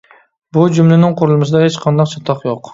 بۇ جۈملىنىڭ قۇرۇلمىسىدا ھېچقانداق چاتاق يوق.